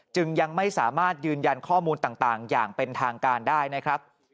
จึงยังไม่สามารถยืนยันข้อมูลต่างอย่างเป็นทางการได้นะครับ